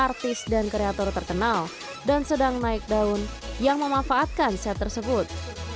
artis dan kreator terkenal dan sedang naik daun yang memanfaatkan set tersebut